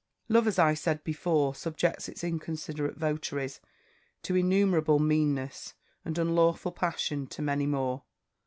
"Love, as I said before, subjects its inconsiderate votaries to innumerable meannesses, and unlawful passion to many more.